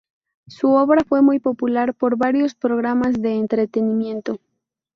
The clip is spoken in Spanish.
Su obra fue muy popular por varios programas de entretenimiento.